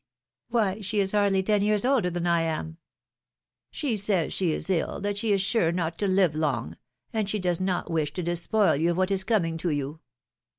Why she is hardly ten years older than I ara!^^ She says she is ill, that she is sure not to live long, and she does not wish to despoil you of what is coming to you.